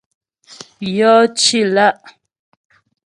Yɔ cì lá'.